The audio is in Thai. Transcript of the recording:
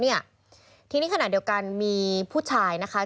เนี่ยทีนี้ขณะเดียวกันมีผู้ชายนะคะ